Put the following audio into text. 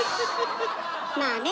まあね